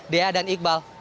dea dan iqbal